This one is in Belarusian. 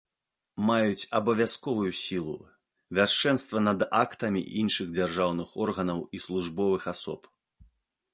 Маюць абавязковую сілу, вяршэнства над актамі іншых дзяржаўных органаў і службовых асоб.